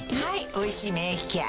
「おいしい免疫ケア」